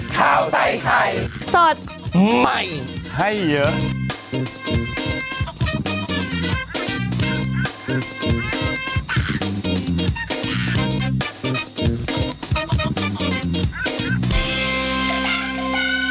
โปรดติดตามตอนต่อไป